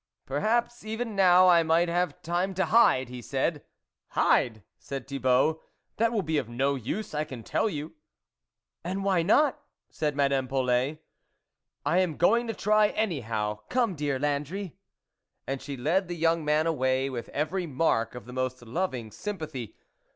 " Perhaps even now I might have time to hide," he said. " Hide !" said Thibault, " that will be of no use, I can tell you." " And why not ?" said Madame Polet, " I am going to try, anyhow. Come, dear Landry." And she led the young man away, with every mark of the most loving sympathy.